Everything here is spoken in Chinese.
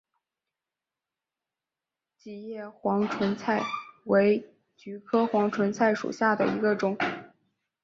戟叶黄鹌菜为菊科黄鹌菜属下的一个种。